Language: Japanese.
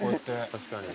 確かに。